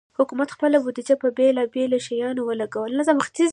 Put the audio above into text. حکومت خپل بودیجه پر بېلابېلو شیانو ولګوي.